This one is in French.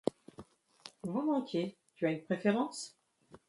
Volontiers, tu as une préfèrence ?